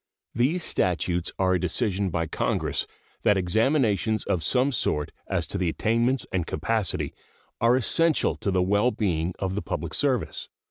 These statutes are a decision by Congress that examinations of some sort as to attainments and capacity are essential to the well being of the public service.